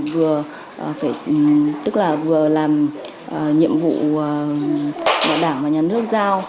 vừa làm nhiệm vụ bộ đảng và nhà nước giao